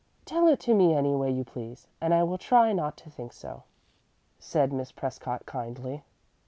"Tell it to me any way you please, and I will try not to think so," said Miss Prescott, kindly.